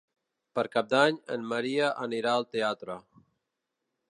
Per Cap d'Any en Maria anirà al teatre.